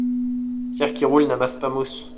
pierre qui roule n'amasse pas mousse.